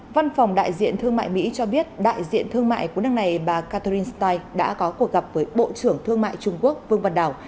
văn phòng đại diện thương mại mỹ cho biết đại diện thương mại của nước này bà catherinste đã có cuộc gặp với bộ trưởng thương mại trung quốc vương văn đảo